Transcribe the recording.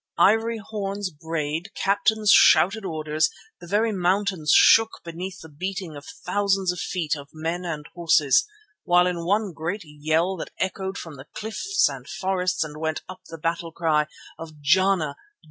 Ivory horns brayed, captains shouted orders, the very mountains shook beneath the beating of thousands of feet of men and horses, while in one great yell that echoed from the cliffs and forests went up the battle cry of "_Jana!